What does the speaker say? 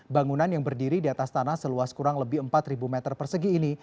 bangunan yang berdiri di atas tanah seluas kurang lebih empat meter persegi ini